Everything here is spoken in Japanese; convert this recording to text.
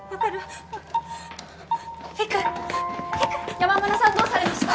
山村さんどうされました！？